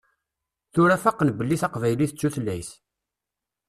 Tura faqen belli taqbaylit d tutlayt.